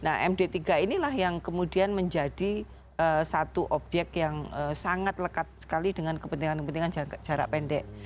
nah md tiga inilah yang kemudian menjadi satu obyek yang sangat lekat sekali dengan kepentingan kepentingan jarak pendek